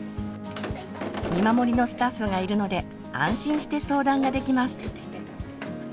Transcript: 見守りのスタッフがいるので安心して相談ができます。